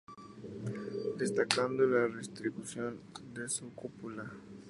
Destacando la restitución de su cúpula.